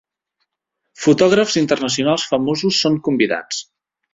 Fotògrafs internacionals famosos són convidats.